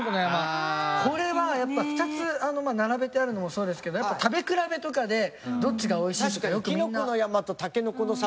これはやっぱ２つ並べてあるのもそうですけど食べ比べとかでどっちがおいしいとかよくみんな。